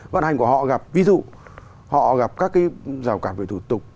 vận hành của họ gặp ví dụ họ gặp các cái rào cản về thủ tục